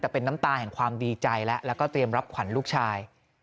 แต่เป็นน้ำตาแห่งความดีใจแล้วแล้วก็เตรียมรับขวัญลูกชาย